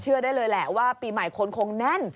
ได้เลยแหละว่าปีใหม่คนคงแน่น